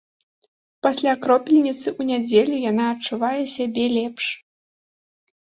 Пасля кропельніцы у нядзелю яна адчувае сябе лепш.